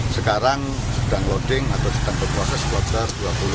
sekarang sedang loading atau sedang berproses kloter dua puluh